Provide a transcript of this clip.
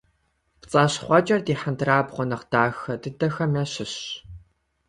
ПцӀащхъуэкӀэр ди хьэндырабгъуэ нэхъ дахэ дыдэхэм ящыщщ.